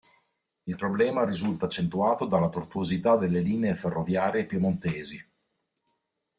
Il problema risulta accentuato dalla tortuosità delle linee ferroviarie piemontesi.